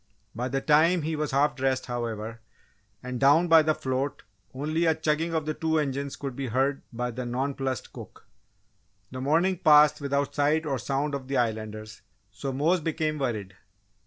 By the time he was half dressed, however, and down by the float only a chugging of the two engines could be heard by the nonplussed cook. The morning passed without sight or sound of the Islanders so Mose became worried.